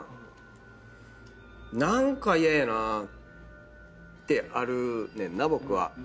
「何か嫌やな」ってあるねんな僕は。